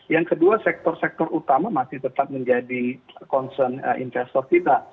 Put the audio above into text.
yang kedua sektor sektor utama masih tetap menjadi concern investor kita